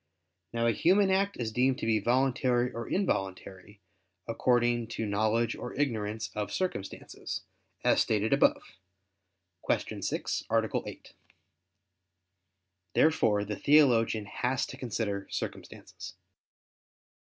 Now a human act is deemed to be voluntary or involuntary, according to knowledge or ignorance of circumstances, as stated above (Q. 6, A. 8). Therefore the theologian has to consider circumstances.